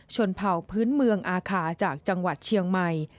เผ่าพื้นเมืองอาคาจากจังหวัดเชียงใหม่